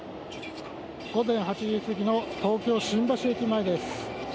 午前８時過ぎの東京・新橋駅前です。